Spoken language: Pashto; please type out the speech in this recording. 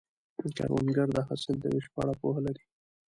کروندګر د حاصل د ویش په اړه پوهه لري